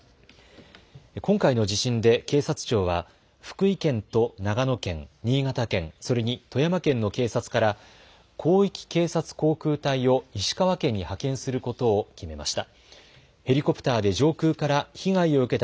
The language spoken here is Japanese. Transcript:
今回の地震で警察庁は福井県と長野県、新潟県、それに富山県の警察から広域警察航空隊を石川県に派遣することを決めました。